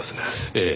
ええ。